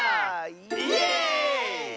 イエーイ！